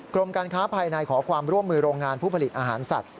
กรมการค้าภายในขอความร่วมมือโรงงานผู้ผลิตอาหารสัตว